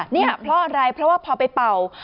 นี่เพราะอะไรเพราะว่าพอไปเป่า